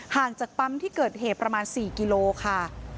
จากปั๊มที่เกิดเหตุประมาณ๔กิโลค่ะ